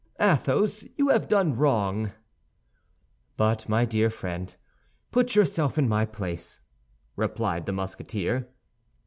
Athos, you have done wrong." "But, my dear friend, put yourself in my place," replied the Musketeer.